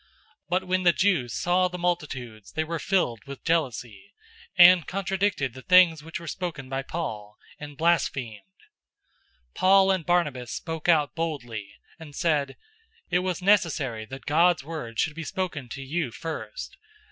013:045 But when the Jews saw the multitudes, they were filled with jealousy, and contradicted the things which were spoken by Paul, and blasphemed. 013:046 Paul and Barnabas spoke out boldly, and said, "It was necessary that God's word should be spoken to you first.